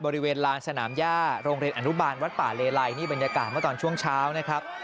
บริเวณลานสนามย่าโรงเรียนอนุบาลวัดป่าเลไลนี่บรรยากาศเมื่อตอนช่วงเช้านะครับ